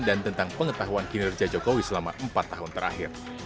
dan tentang pengetahuan kinerja jokowi selama empat tahun terakhir